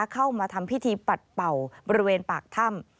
เข้ามาทำพิธีปัดเป่าบริเวณปากถ้ำ